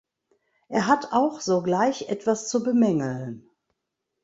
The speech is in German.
Er hat auch sogleich etwas zu bemängeln.